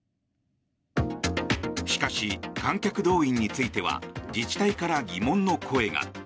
しかし、観客動員については自治体から疑問の声が。